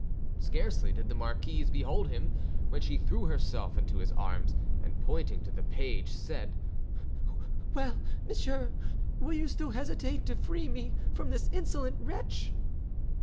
Scarcely did the marquise behold him when she threw herself into his arms, and pointing to the page, said:— "Well, monsieur, will you still hesitate to free me from this insolent wretch?"